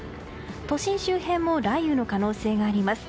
都心周辺も雷雨の可能性があります。